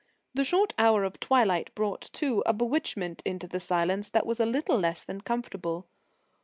The short hour of twilight brought, too, a bewitchment into the silence that was a little less than comfortable.